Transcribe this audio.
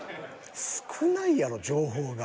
少ないやろ情報が。